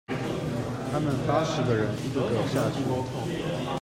他們八十個人一個個下去